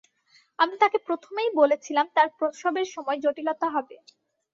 আমি তাকে প্রথমেই বলেছিলাম তার প্রসবের সময় জটিলতা হবে।